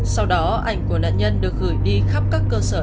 sau đó ảnh của nạn nhân được gửi đi khắp các cơ sở